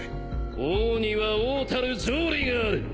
王には王たる条理がある！